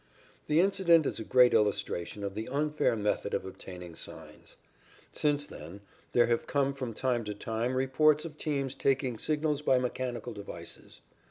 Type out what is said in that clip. The incident is a great illustration of the unfair method of obtaining signs. Since then, there have come from time to time reports of teams taking signals by mechanical devices.